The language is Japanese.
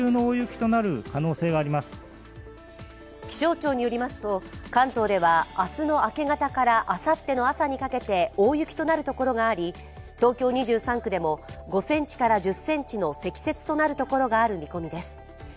気象庁によりますと、関東では明日の明け方からあさっての朝にかけて大雪となる所があり東京２３区でも５ｃｍから１０ｃｍの積雪となるところがある見込みです。